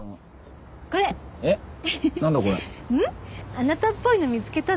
あなたっぽいの見つけたの。